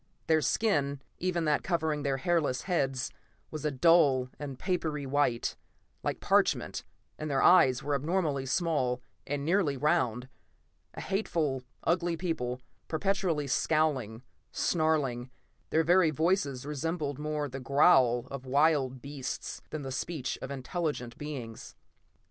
Their skin, even that covering their hairless heads, was a dull and papery white, like parchment, and their eyes were abnormally small, and nearly round. A hateful, ugly people, perpetually scowling, snarling; their very voices resembled more the growl of wild beasts than the speech of intelligent beings.